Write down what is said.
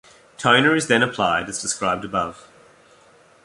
Toner is then applied as described above.